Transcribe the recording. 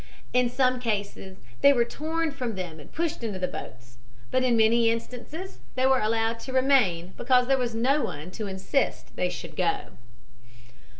"In some cases they were torn from them and pushed into the boats, but in many instances they were allowed to remain because there was no one to insist they should go.